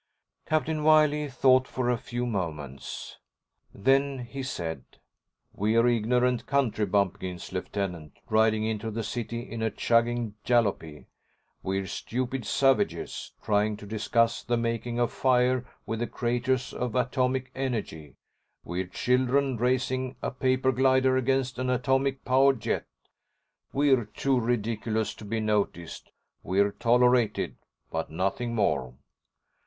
Captain Wiley thought for a few seconds. Then he said, "We're ignorant country bumpkins, Lieutenant, riding into the city in a chugging jalopy. We're stupid savages, trying to discuss the making of fire with the creators of atomic energy. We're children racing a paper glider against an atomic powered jet. We're too ridiculous to be noticed. We're tolerated—but nothing more."